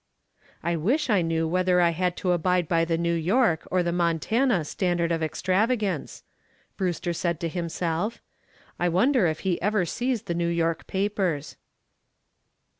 "I wish I knew whether I had to abide by the New York or the Montana standard of extravagance," Brewster said to himself. "I wonder if he ever sees the New York papers."